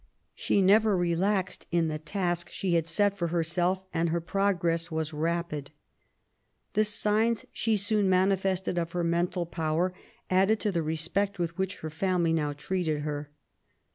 She never relaxed in the task she had set for herself, and her progress was rapid. The signs she soon manifested of her mental power added to the respect with which her family now treated her.